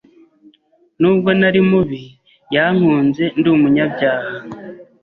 n’ubwo nari mubi. Yankunze ndi umunyabyaha,